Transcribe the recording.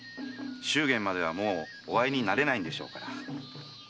祝言まではもうお会いになれないんでしょうから。